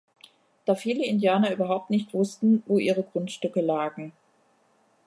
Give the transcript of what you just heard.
Da viele Indianer überhaupt nicht wussten, wo ihre Grundstücke lagen.